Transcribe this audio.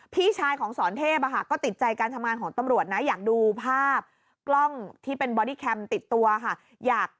พี่ชายของสอนเทพก็ติดใจการทำงานของตำรวจนะอยากดูภาพกล้องที่เป็นบอดี้แคมป์ติดตัวค่ะ